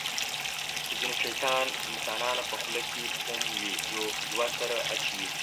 د ځینو شیطان انسانانو په خوله کې فوم وي. دوه سره اچوي.